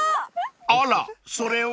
［あらそれは］